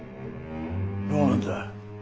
どうなんだ。